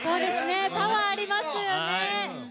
パワーありますよね。